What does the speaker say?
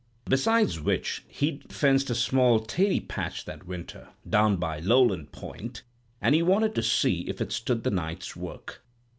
Besides which, he'd fenced a small 'taty patch that winter, down by Lowland Point, and he wanted to see if it stood the night's work.